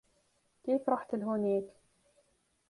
كيف رحت لهونيك ؟